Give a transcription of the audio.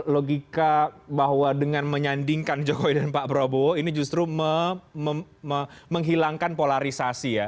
logika bahwa dengan menyandingkan jokowi dan pak prabowo ini justru menghilangkan polarisasi ya